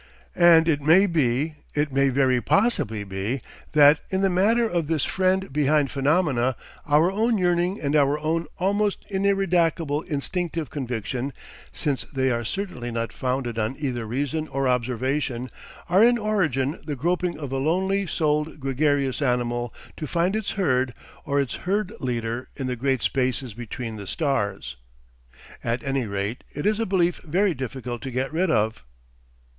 And it may be, it may very possibly be, that, in the matter of this Friend behind phenomena our own yearning and our own almost ineradicable instinctive conviction, since they are certainly not founded on either reason or observation, are in origin the groping of a lonely souled gregarious animal to find its herd or its herd leader in the great spaces between the stars. "At any rate, it is a belief very difficult to get rid of."